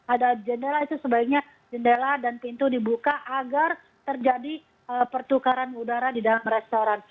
ada jendela itu sebaiknya jendela dan pintu dibuka agar terjadi pertukaran udara di dalam restoran